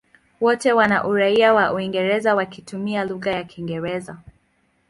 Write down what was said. Wote wana uraia wa Uingereza wakitumia lugha ya Kiingereza.